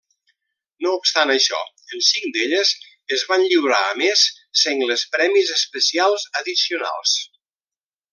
No obstant això, en cinc d'elles es van lliurar a més sengles premis especials addicionals.